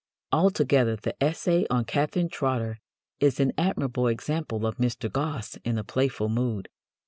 Altogether the essay on Catherine Trotter is an admirable example of Mr. Gosse in a playful mood.